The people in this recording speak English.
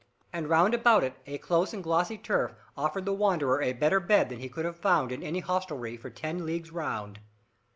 And round about it a close and glossy turf offered the wanderer a better bed than he could have found in any hostelry for ten leagues round.